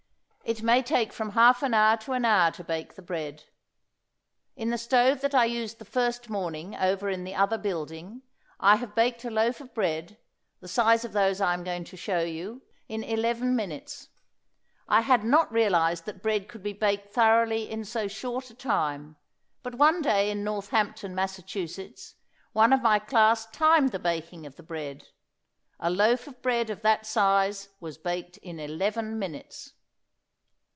It may take from half an hour to an hour to bake the bread. In the stove that I used the first morning over in the other building I have baked a loaf of bread, the size of those I am going to show you, in eleven minutes. I had not realized that bread could be baked thoroughly in so short a time, but one day in Northampton, Mass., one of my class timed the baking of the bread. A loaf of bread of that size was baked in eleven minutes.